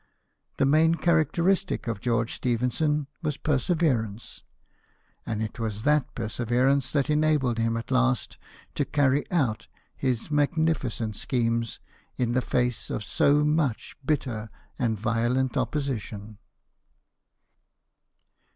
The main characteristic of George Stephenson was perseverance ; and it was that perseverance that enabled him at last to carry out his magnificent schemes in the face of so much bitter and violent opposition.